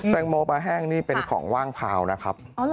ข้างบัวแห่งสันยินดีต้อนรับทุกท่านนะครับ